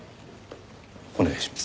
お願いします。